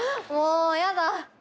もうやだ。